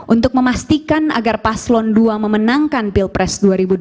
untuk memastikan agar paslon dua memenangkan pilpres dua ribu dua puluh